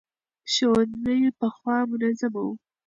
ښوونځي پخوا منظم وو.